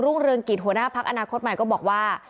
เรืองกิจหัวหน้าพักอนาคตใหม่ก็บอกว่า